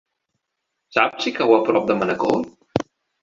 Saps si cau a prop de Manacor?